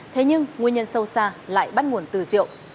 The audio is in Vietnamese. thế nhưng nguyên nhân sâu xa lại bắt nguồn từ rượu